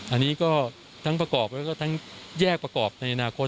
อันนี้ก็ทั้งประกอบแล้วก็ทั้งแยกประกอบในอนาคต